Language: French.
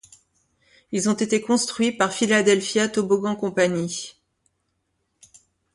Ils ont été construits par Philadelphia Toboggan Company.